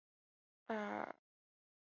大白藤为棕榈科省藤属下的一个种。